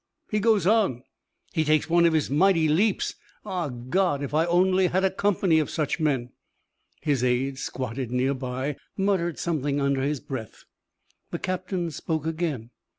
He goes on! He takes one of his mighty leaps! Ah, God, if I only had a company of such men!" His aide, squatted near by, muttered something under his breath. The captain spoke again.